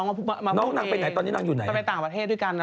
สมัยต่างประเทศด้วยกัน